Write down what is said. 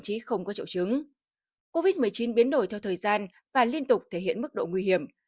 trí không có triệu chứng covid một mươi chín biến đổi theo thời gian và liên tục thể hiện mức độ nguy hiểm